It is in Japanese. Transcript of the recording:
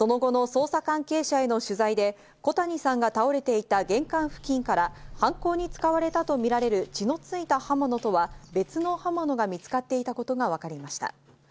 その後の捜査関係者への取材で、小谷さんが倒れていた玄関付近から犯行に使われたとみられる血のついた刃物とは別の刃物が見つかっていたことがわかりました。